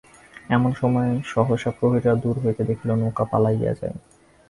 এমন সময়ে সহসা প্রহরীরা দূর হইতে দেখিল, নৌকা পলাইয়া যায়।